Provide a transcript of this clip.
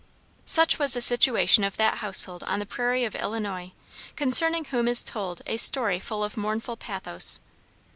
Such was the situation of that household on the prairie of Illinois, concerning whom is told a story full of mournful pathos.